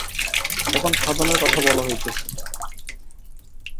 এখন সাধনের কথা বলা হইতেছে।